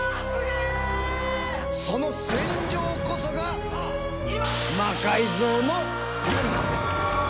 その戦場こそが「魔改造の夜」なんです！